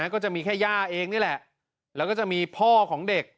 ก็จะมีแค่ย่าเองนี่แหละแล้วก็จะมีพ่อของเด็ก